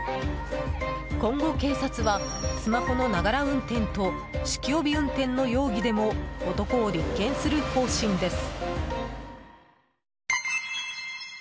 今後、警察はスマホのながら運転と酒気帯び運転の容疑でも男を立件する方針です。